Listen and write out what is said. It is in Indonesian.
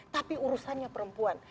tapi urusannya perempuan